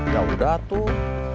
ya udah tuh